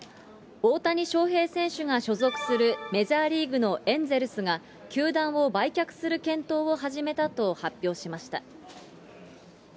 大谷翔平選手が所属するメジャーリーグのエンゼルスが、球団を売却する検討を始めたと発表しました。